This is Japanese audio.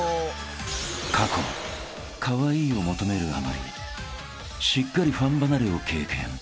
［過去カワイイを求めるあまりしっかりファン離れを経験］